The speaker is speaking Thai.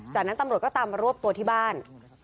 จากนั้นตำรวจก็ตามมารวบตัวที่บ้าน